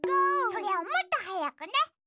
それをもっとはやくね。